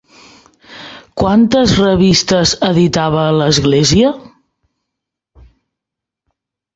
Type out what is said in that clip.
Quantes revistes editava l'Església?